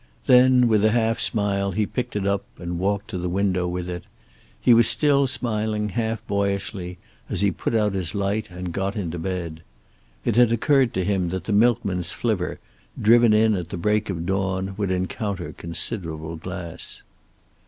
Then, with a half smile, he picked it up and walked to the window with it. He was still smiling, half boyishly, as he put out his light and got into bed. It had occurred to him that the milkman's flivver, driving in at the break of dawn, would encounter considerable glass.